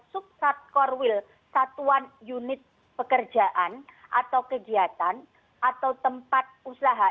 sub sat cor will satuan unit pekerjaan atau kegiatan atau tempat usaha